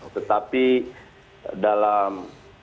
oke tapi dalam